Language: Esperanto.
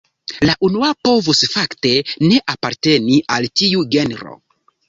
La unua povus fakte ne aparteni al tiu genro.